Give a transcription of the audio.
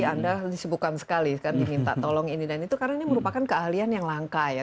anda disibukan sekali kan diminta tolong ini dan itu karena ini merupakan keahlian yang langka ya